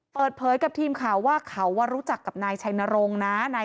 เปิดเผยกับทีมข่าวว่าเขารู้จักกับนายชัยนรงค์นะ